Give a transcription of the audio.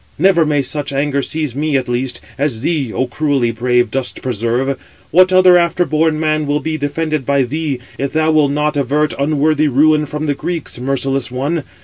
Never may such anger seize me at least, as thee, O cruelly brave, dost preserve. What other after born man will be defended by thee, if thou will not avert unworthy ruin from the Greeks? merciless one!